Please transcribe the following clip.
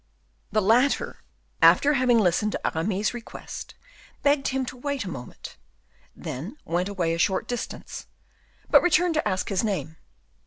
The latter, after having listened to Aramis's request, begged him to wait a moment, then went away a short distance, but returned to ask his name.